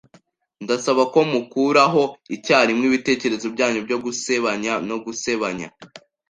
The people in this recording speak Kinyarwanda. Ndasaba ko mukuraho icyarimwe ibitekerezo byanyu byo gusebanya no gusebanya